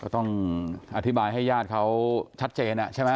ต้องอธิบายให้ญาติเขาชัดเจนใช่ไหม